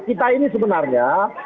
kita ini sebenarnya